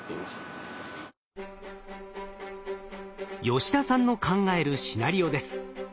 吉田さんの考えるシナリオです。